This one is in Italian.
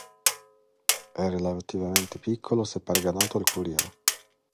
È relativamente piccolo se paragonato al Courier.